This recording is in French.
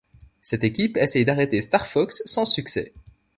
Cette équipe essaye d'arrêter Star Fox, sans succès.